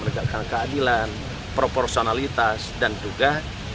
menegakkan keadilan proporsionalitas dan juga